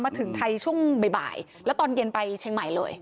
มาถึงไทยช่วงบ่ายแล้วตอนเย็นไปเชียงใหม่เลย